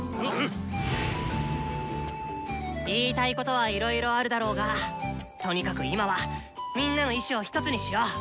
言いたいことはいろいろあるだろうがとにかく今はみんなの意思をひとつにしよう。